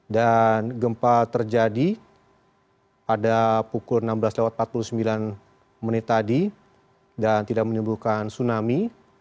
dan gempa terjadi pada pukul enam belas empat puluh sembilan tadi dan tidak menimbulkan tsunami